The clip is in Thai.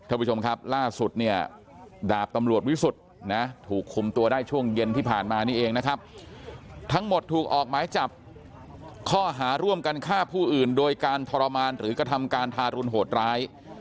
ท่านผู้ชมครับล่าสุดเนี่ยดาบตำรวจวิสุทธิ์นะถูกคุมตัวได้ช่วงเย็นที่ผ่านมานี่เองนะครับทั้งหมดถูกออกหมายจับข้อหาร่วมกันฆ่าผู้อื่นโดยการทรมานหรือกระทำการทารุณโหดร้าย